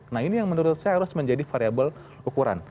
nah ini yang menurut saya harus menjadi variable ukuran